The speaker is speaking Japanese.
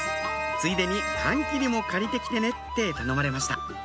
ついでに缶切りも借りて来てねって頼まれました